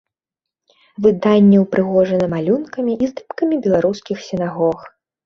Выданне ўпрыгожана малюнкамі і здымкамі беларускіх сінагог.